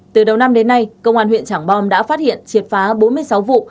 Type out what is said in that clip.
từ đầu năm đến nay công an huyện trảng bom đã phát hiện triệt phá bốn mươi sáu vụ